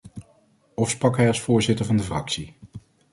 Of sprak hij als voorzitter van de fractie?